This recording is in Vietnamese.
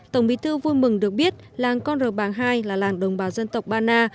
tổng bí thư vui mừng được biết làng con ràng hai là làng đồng bào dân tộc ba na